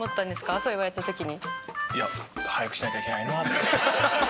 そう言われた時に。